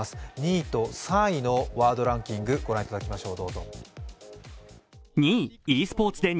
２位と３位のワードランキング御覧いただきましょう。